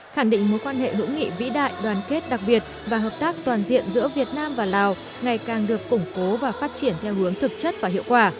khẳng định mối quan hệ hữu nghị vĩ đại đoàn kết đặc biệt và hợp tác toàn diện giữa việt nam và lào ngày càng được củng cố và phát triển theo hướng thực chất và hiệu quả